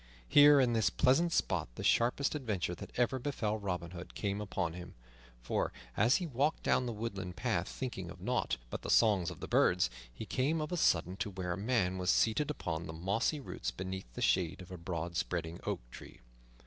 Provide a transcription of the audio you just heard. Here in this pleasant spot the sharpest adventure that ever befell Robin Hood came upon him; for, as he walked down the woodland path thinking of nought but the songs of the birds, he came of a sudden to where a man was seated upon the mossy roots beneath the shade of a broad spreading oak tree.